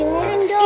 iya dengerin dong